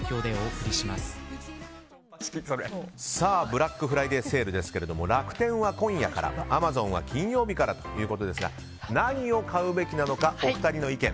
ブラックフライデーセールですけれども楽天は今夜から、アマゾンは金曜日からということですが何を買うべきなのかお二人の意見